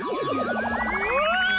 うわ！